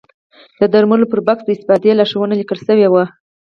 د درملو پر بکس د استفادې لارښوونې لیکل شوې وي.